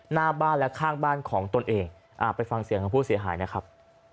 หน้าบ้านและข้างบ้านของตนเองไปฟังเสียงของผู้เสียหายนะครับ